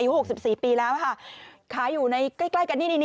อายุ๖๔ปีแล้วค่ะค้าอยู่ในใกล้กัน